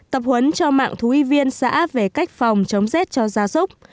tập huấn cho mạng thú y viên xã về cách phòng chống rét cho gia súc